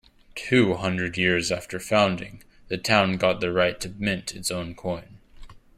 Two hundred years after founding, the town got the right to mint its own coin.